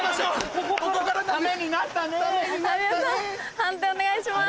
判定お願いします。